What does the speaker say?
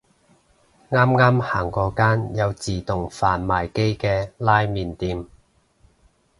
啱啱行過間有自動販賣機嘅拉麵店